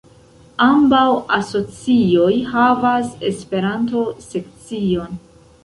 Ambaŭ asocioj havas Esperanto-sekcion.